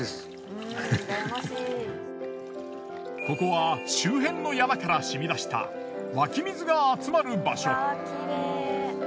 ここは周辺の山から染み出した湧き水が集まる場所。